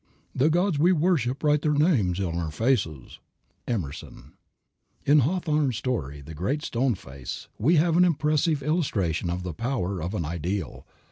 The gods we worship write their names on our faces. EMERSON. In Hawthorne's story, "The Great Stone Face," we have an impressive illustration of the power of an ideal.